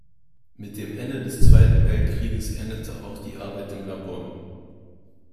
Mit dem Ende des Zweiten Weltkrieges endete auch die Arbeit im Labor.